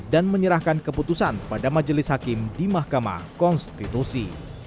dan menyerahkan keputusan pada majelis hakim di mahkamah konstitusi